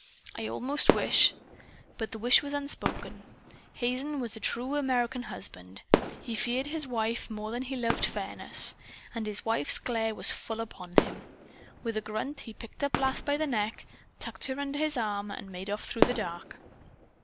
I almost wish " But the wish was unspoken. Hazen was a true American husband. He feared his wife more than he loved fairness. And his wife's glare was full upon him. With a grunt he picked Lass up by the neck, tucked her under his arm and made off through the dark.